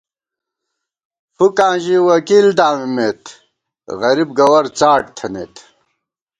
فُوکاں ژِی وکیل دامِمېت، غریب گوَرڅاٹ تھنَئیت